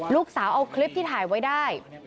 ลูกสาวเอาคลิปที่ถ่ายไว้ได้